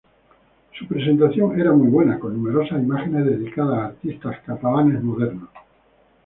Su presentación era muy buena, con numerosas imágenes dedicadas a artistas catalanes modernos.